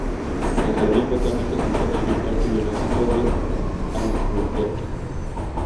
El jardín botánico se encuentra en el Parque Biológico de Albuquerque.